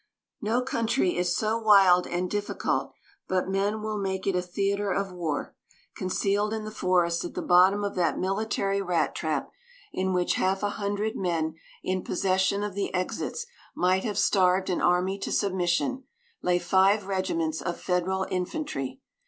No country is so wild and difficult but men will make it a theater of war; concealed in the forest at the bottom of that military rat trap, in which half a hundred men in possession of the exits might have starved an army to submission, lay five regiments of Federal infantry.